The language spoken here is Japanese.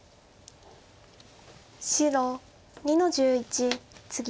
白２の十一ツギ。